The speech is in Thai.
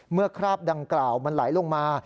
คราบดังกล่าวมันไหลลงมา